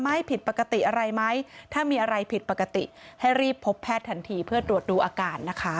ผิดปกติอะไรไหมถ้ามีอะไรผิดปกติให้รีบพบแพทย์ทันทีเพื่อตรวจดูอาการนะคะ